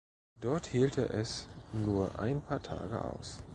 Dort hielt er es nur ein paar Tage aus.